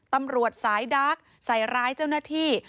ตำรวจสายดักใส่ร้ายเจ้าหน้าที่